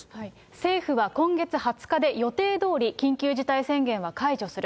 政府は今月２０日で予定どおり緊急事態宣言は解除する。